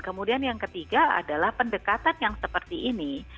kemudian yang ketiga adalah pendekatan yang seperti ini